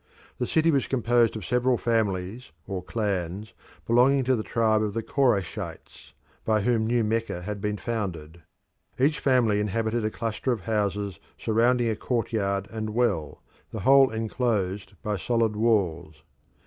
The city was composed of several families or clans belonging to the tribe of the Corayshites, by whom New Mecca had been founded. Each family inhabited a cluster of houses surrounding a courtyard and well, the whole enclosed by solid walls.